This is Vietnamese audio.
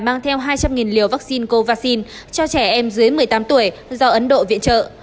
mang theo hai trăm linh liều vaccine covid cho trẻ em dưới một mươi tám tuổi do ấn độ viện trợ